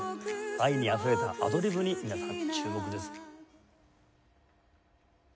愛にあふれたアドリブに皆さん注目です。